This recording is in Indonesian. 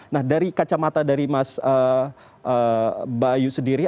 nah dari kacamata dari mas bayu sendiri